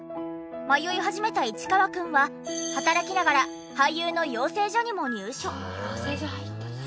迷い始めた市川くんは働きながら俳優の養成所にも入所。